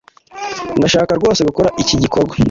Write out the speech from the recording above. Ndashaka rwose gukora iki gikorwa.